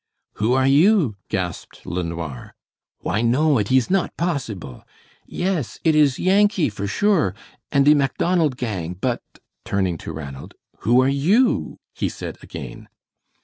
"Who are you?" gasped LeNoir. "Why, no, it ees not possible. Yes, it is Yankee for sure! And de Macdonald gang, but" turning to Ranald "who are YOU?" he said again.